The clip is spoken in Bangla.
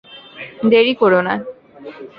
দেরি কোরো না।